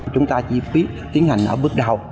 chúng ta chỉ biết tiến hành ở bước đầu